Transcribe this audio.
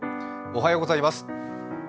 おはようございます。